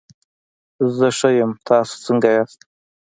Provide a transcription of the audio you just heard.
زه ښه یم، تاسو څنګه ياست؟